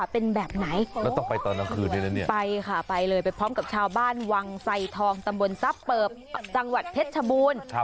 ไปพร้อมกับชาวบ้านวังไสทองตำบลทรัพย์เปิบจังหวัดเพชรชบูรณ์